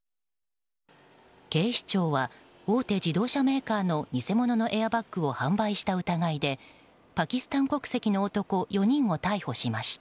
警視庁は、大手自動車メーカーの偽物のエアバッグを販売した疑いでパキスタン国籍の男４人を逮捕しました。